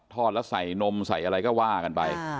แล้วใส่นมใส่อะไรก็ว่ากันไป